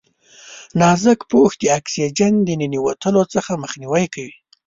نازک پوښ د اکسیجن د ننوتلو څخه مخنیوی کوي.